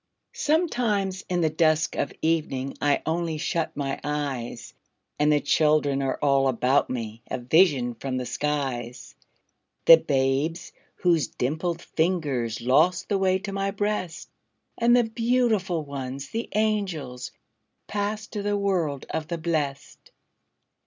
Sometimes, in the dusk of evening, I only shut my eyes, And the children are all about me, A vision from the skies: The babes whose dimpled fingers Lost the way to my breast, And the beautiful ones, the angels, Passed to the world of the blest.